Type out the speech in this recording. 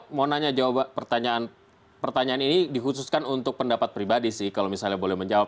mau nanya jawab pertanyaan ini dikhususkan untuk pendapat pribadi sih kalau misalnya boleh menjawab